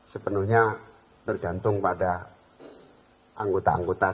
sepenuhnya tergantung pada anggota anggota